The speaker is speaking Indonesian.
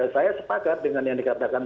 saya sepakat dengan yang dikatakan